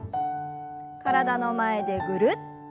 体の前でぐるっと。